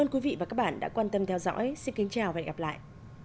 quý vị và các bạn đã quan tâm theo dõi xin kính chào và hẹn gặp lại